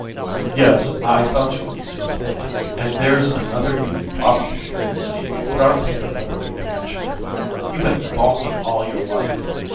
"Yes, I thought you wouldn't see the point. And there's another you probably couldn't see, but I'll take the liberty to mention it. You been balkin' all your life.